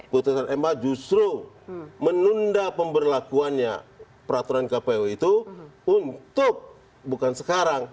putusan ma justru menunda pemberlakuannya peraturan kpu itu untuk bukan sekarang